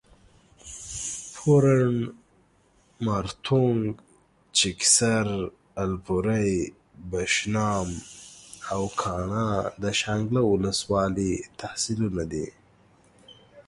پورڼ، مارتونګ، چکېسر، الپورۍ، بشام او کاڼا د شانګله اولس والۍ تحصیلونه دي